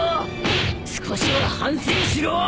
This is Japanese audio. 少しは反省しろー！